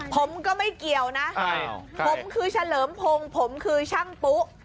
ผมก็ไม่เกี่ยวนะผมคือเฉลิมพงศ์ผมคือช่างปุ๊